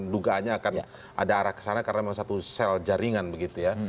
dugaannya akan ada arah ke sana karena memang satu sel jaringan begitu ya